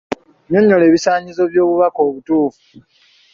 Nnyonnyola ebisaanyizo by'obubaka obutuufu.